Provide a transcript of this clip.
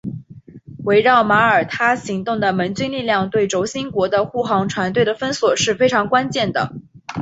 围绕马耳他行动的盟军力量对轴心国的护航船队的封锁是非常关键的。